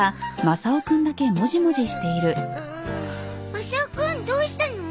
マサオくんどうしたの？